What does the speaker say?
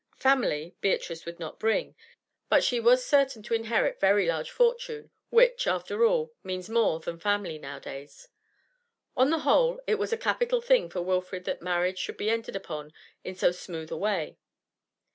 'Family,' Beatrice would not bring, but she was certain to inherit very large fortune, which, after all, means more than family nowadays. On the whole it was a capital thing for Wilfrid that marriage would be entered upon in so smooth a way.